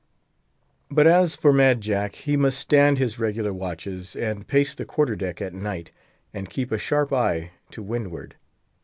But as for Mad Jack, he must stand his regular watches, and pace the quarter deck at night, and keep a sharp eye to windward.